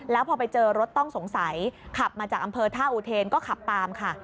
แล้วพอไปเจอรถต้องสงสัยขับมาจากอำเภอท่าอุเทนก็ขับตามค่ะ